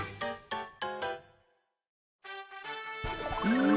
うん。